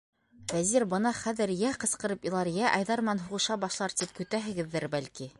Вәзир бына хәҙер йә ҡысҡырып илар, йә Айҙар менән һуғыша башлар тип көтәһегеҙҙер, бәлки.